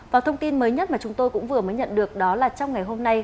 và thông tin mới nhất mà chúng tôi cũng vừa mới nhận được đó là trong ngày hôm nay